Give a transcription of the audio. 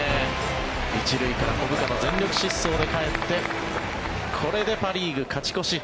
１塁から小深田全力疾走でかえってこれでパ・リーグ勝ち越し。